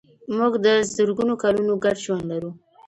موږ د زرګونو کلونو ګډ ژوند لرو.